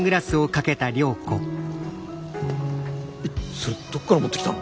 それどっから持ってきたの？